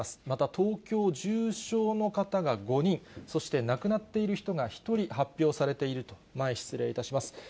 また東京、重症の方が５人、そして亡くなっている人が１人発表されていると、前、失礼いたします。